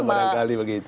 ya barangkali begitu